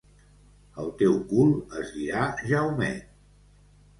El teu cul es dirà Jaumet.